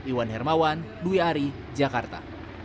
iwan hermawan dwi ari jakarta